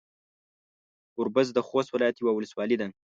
ګوربز د خوست ولايت يوه ولسوالي ده.